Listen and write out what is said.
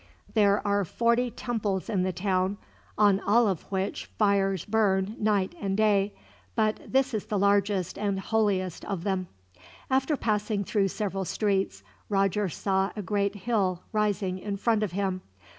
There are forty temples in the town, on all of which fire burns night and day; but this is the largest and holiest of them." After passing through several streets, Roger saw a great hill rising in front of him.